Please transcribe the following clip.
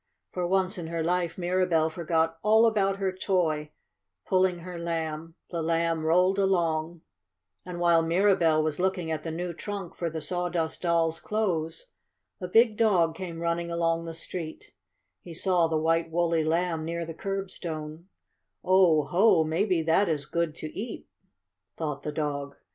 For once in her life Mirabell forgot all about her toy, pulling her Lamb. The Lamb rolled along. [Illustration: Lamb On Wheels Tells Sawdust Doll of Her Troubles] And while Mirabell was looking at the new trunk for the Sawdust Doll's clothes, a big dog came running along the street. He saw the white, woolly Lamb near the curbstone. "Oh, ho! Maybe that is good to eat!" thought the dog.